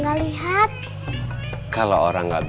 kalau kita lewat jalan kecil aja pa